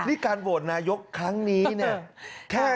นี่การโหวตนายกครั้งนี้เนี่ย